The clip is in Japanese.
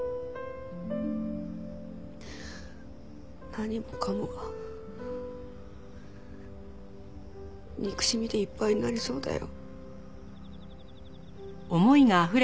何もかもが憎しみでいっぱいになりそうだよ。